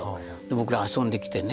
僕ら遊んできてね